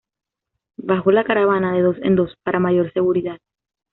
Bajo la caravana de dos en dos, para mayor seguridad.